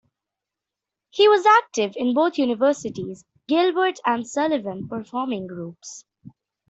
He was active in both universities' Gilbert and Sullivan performing groups.